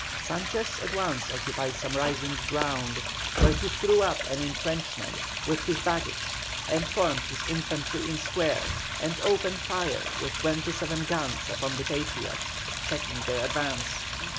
Sanchez at once occupied some rising ground, where he threw up an entrenchment with his baggage, and formed his infantry in square, and opened fire with twenty seven guns upon the Patriots, checking their advance.